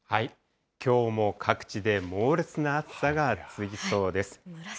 きょうも各地で猛烈な暑さが続きそうです。